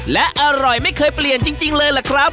และอร่อยไม่เคยเปลี่ยนจริงเลยล่ะครับ